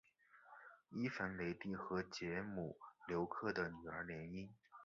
伊凡雷帝和捷姆留克的女儿结姻。